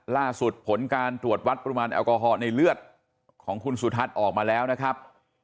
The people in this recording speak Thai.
ผลการตรวจวัดปริมาณแอลกอฮอลในเลือดของคุณสุทัศน์ออกมาแล้วนะครับ